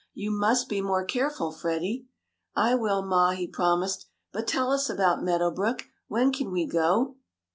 "You must be more careful, Freddie." "I will, ma," he promised. "But tell us about Meadow Brook. When can we go?"